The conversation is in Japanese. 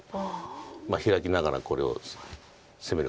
ヒラきながらこれを攻める形。